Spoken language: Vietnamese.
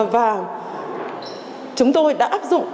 và chúng tôi đã áp dụng